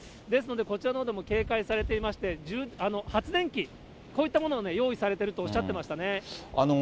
ですので、こちらのほうでも警戒されていまして、発電機、そういったものを用意されてるとおっしゃってましたね。